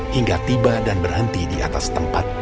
hingga tiba dan berhenti di atas tempat